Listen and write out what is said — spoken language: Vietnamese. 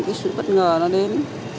cái sự bất ngờ là đấy